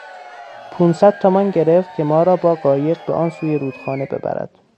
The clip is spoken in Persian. پنصد تومان گرفت که ما را با قایق به آن سوی رودخانه ببرد.